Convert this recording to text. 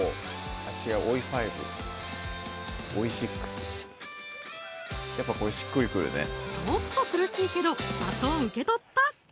あっ違うオイファイブオイシックスやっぱこれしっくりくるねちょっと苦しいけどバトン受け取った！